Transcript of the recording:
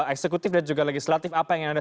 eksekutif dan juga legislatif apa yang anda